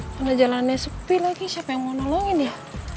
karena jalannya sepi lagi siapa yang mau nolongin ya